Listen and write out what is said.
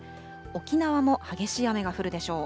沖縄も激しい雨が降るでしょう。